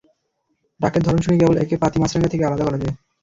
ডাকের ধরন শুনে কেবল একে পাতি মাছরাঙা থেকে আলাদা করা যায়।